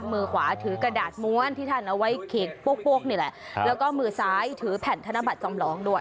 มือขวาถือกระดาษม้วนที่ท่านเอาไว้เขกป้วกนี่แหละแล้วก็มือซ้ายถือแผ่นธนบัตรจำลองด้วย